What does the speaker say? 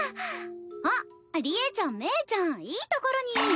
あっ利恵ちゃん鳴ちゃんいいところに。